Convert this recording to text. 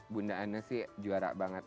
bunda ana sih juara banget